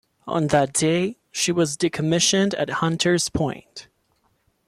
On that day, she was decommissioned at Hunters Point.